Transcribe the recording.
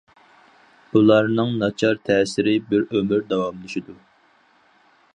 بۇلارنىڭ ناچار تەسىرى بىر ئۆمۈر داۋاملىشىدۇ.